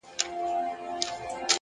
هره ورځ د مثبت اثر فرصت لري!